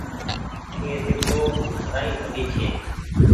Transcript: ڪي ۮيکو رآئي ڀلي ڇي